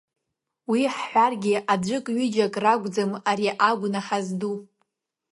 Уи ҳҳәаргьы, аӡәык ҩыџьак ракәӡам ари агәнаҳа зду.